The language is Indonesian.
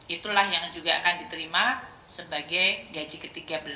itulah yang juga akan diterima sebagai gaji ke tiga belas